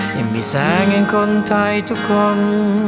ยังมีแสงอย่างคนไทยทุกคน